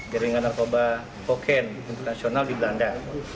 dari narkoba kokain internasional di belanda